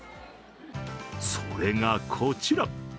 それがこちら。